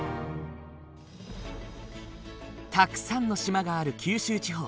たくさんの島がある九州地方。